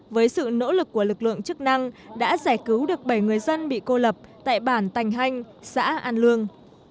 với sự nỗ lực của lực lượng chức năng đã giải cứu được bảy người dân bị cô lập tại bản tành hanh xã an lương